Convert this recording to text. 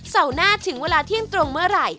หน้าถึงเวลาเที่ยงตรงเมื่อไหร่